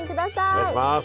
お願いします。